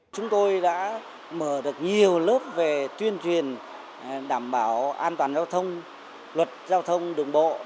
chúng tôi đã mở được nhiều lớp về tuyên truyền đảm bảo an toàn giao thông luật giao thông đường bộ